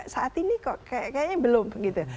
saat ini kok kayaknya belum gitu